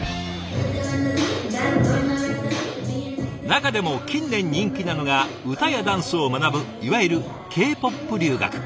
中でも近年人気なのが歌やダンスを学ぶいわゆるＫ−ＰＯＰ留学。